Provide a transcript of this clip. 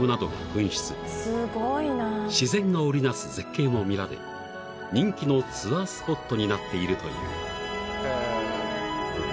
［自然が織り成す絶景も見られ人気のツアースポットになっているという］